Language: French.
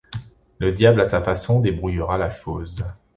Le diable à sa façon débrouillera la chose!